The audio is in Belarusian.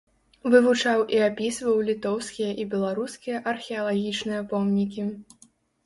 Вывучаў і апісваў літоўскія і беларускія археалагічныя помнікі.